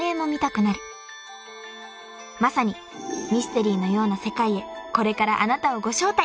［まさにミステリーのような世界へこれからあなたをご招待！］